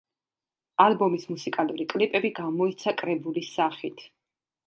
ალბომის მუსიკალური კლიპები გამოიცა კრებულის სახით.